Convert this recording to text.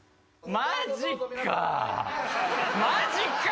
マジかよ！